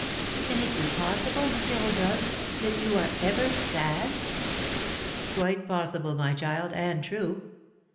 "Can it be possible, M. Rodolph, that you are ever sad?" "Quite possible, my child, and true.